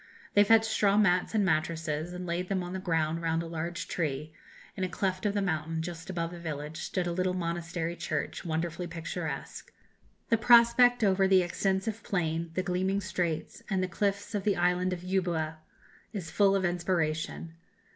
They fetched straw mats and mattresses, and laid them on the ground round a large tree.... In a cleft of the mountain, just above the village, stood a little monastery church, wonderfully picturesque. The prospect over the extensive plain, the gleaming straits, and the cliffs of the island of Euboea, is full of inspiration.